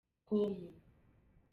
com .